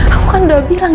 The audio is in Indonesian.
aku kan udah bilang